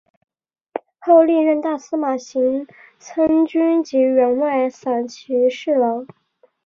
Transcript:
后历任大司马行参军及员外散骑侍郎。